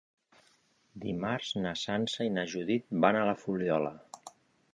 Dimarts na Sança i na Judit van a la Fuliola.